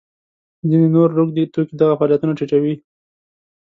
ځینې نور روږدي توکي دغه فعالیتونه ټیټوي.